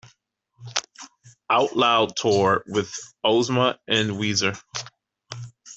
Outloud tour with Ozma and Weezer.